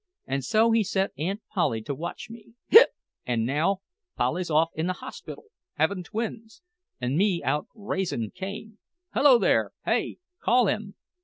An' so he set Aunt Polly to watch me—hic—an' now Polly's off in the hospital havin' twins, an' me out raisin' Cain! Hello, there! Hey! Call him!"